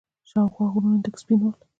شاوخوا غرونه تک سپين ول.